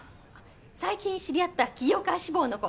最近知り合った起業家志望の子。